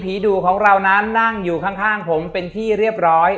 ดูของเรานั้นนั่งอยู่ข้างผมเป็นที่เรียบร้อย